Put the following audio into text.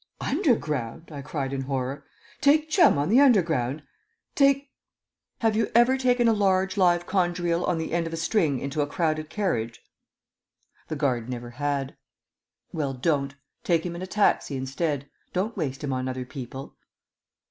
"Underground?" I cried in horror. "Take Chum on the Underground? Take Have you ever taken a large live conger eel on the end of a string into a crowded carriage?" The guard never had. "Well, don't. Take him in a taxi instead. Don't waste him on other people."